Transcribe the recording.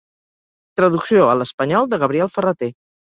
Traducció a l'espanyol de Gabriel Ferrater.